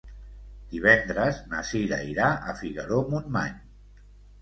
Divendres na Cira irà a Figaró-Montmany.